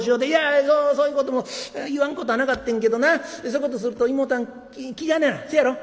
「いやそうそういうことも言わんことはなかってんけどなそういうことすると妹はん気兼ねや。